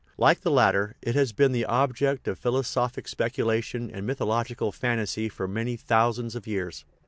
Like the latter, it has been the object of philosophic speculation and mythological fan tasy for many thousand years.